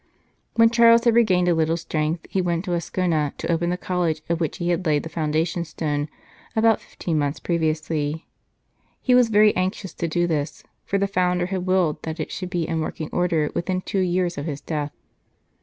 When Charles had regained a little strength, he went to Ascona to open the college of which he had laid the foundation stone about fifteen months previously. He was very anxious to do this, for the founder had willed that it should be in working order within two years of his death.